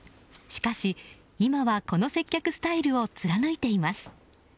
しかし、今はこの接客スタイルを貫いています。